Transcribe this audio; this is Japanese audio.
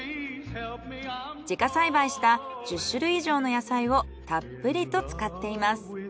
自家栽培した１０種類以上の野菜をたっぷりと使っています。